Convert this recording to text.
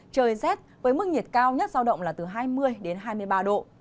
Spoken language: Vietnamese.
trời rét với mức nhiệt cao nhất giao động là từ hai mươi đến hai mươi ba độ